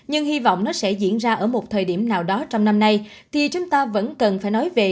nhưng hy vọng nó sẽ diễn ra ở một thời điểm nào đó trong năm nay thì chúng ta vẫn cần phải nói về